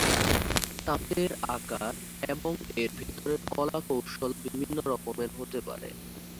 তাঁতের আকার এবং এর ভেতরের কলা কৌশল বিভিন্ন রকমের হতে পারে।